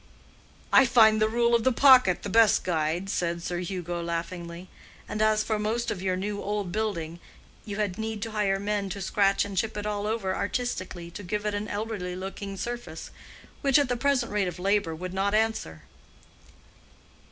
"I find the rule of the pocket the best guide," said Sir Hugo, laughingly. "And as for most of your new old building, you had need to hire men to scratch and chip it all over artistically to give it an elderly looking surface; which at the present rate of labor would not answer."